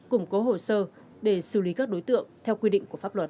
củng cố hồ sơ để xử lý các đối tượng theo quy định của pháp luật